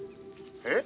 「えっ？